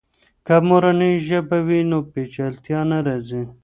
که مورنۍ ژبه وي، نو پیچلتیا نه راځي.